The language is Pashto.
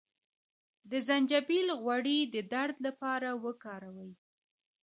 د زنجبیل غوړي د درد لپاره وکاروئ